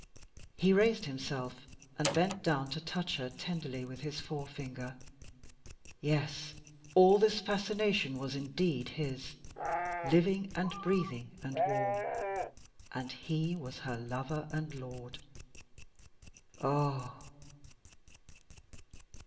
He raised himself, and bent down to touch her tenderly with his forefinger. Yes, all this fascination was indeed his, living and breathing and warm, and he was her lover and lord. Ah!